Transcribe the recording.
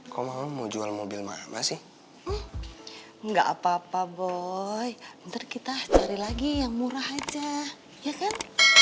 kok mau jual mobil mama sih nggak apa apa boy ntar kita cari lagi yang murah aja ya kan